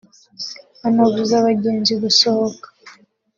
anabuza abagenzi gusohoka